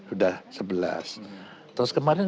udah sebelas terus kemudian